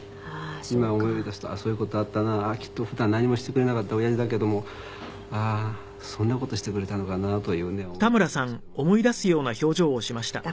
今思い出すとそういう事あったなきっと普段何もしてくれなかった親父だけどもああーそんな事してくれたのかなというね思い出ありますけどもね。